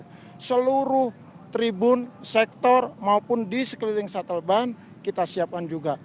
di seluruh tribun sektor maupun di sekeliling shuttle bank kita siapkan juga